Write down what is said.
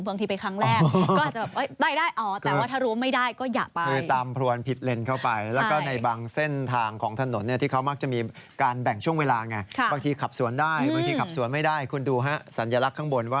บางทีไปครั้งแรกก็อาจจะแบบ